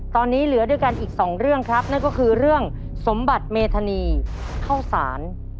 ตอนนี้เหลือด้วยกันอีกสองเรื่องครับนั่นก็คือเรื่องสมบัติเมธานีเข้าสาร